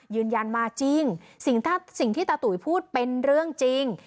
ยืนยันมาจริงสิ่งที่ตาตุ๋ยพูดเป็นเรื่องจริง